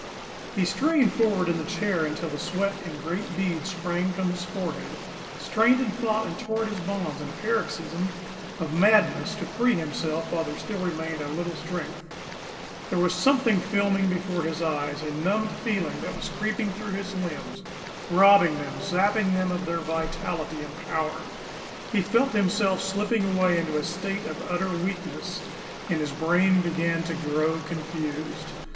He strained forward in the chair until the sweat in great beads sprang from his forehead, strained and fought and tore at his bonds in a paroxysm of madness to free himself while there still remained a little strength. There was something filming before his eyes, a numbed feeling was creeping through his limbs, robbing them, sapping them of their vitality and power. He felt himself slipping away into a state of utter weakness, and his brain began to grow confused.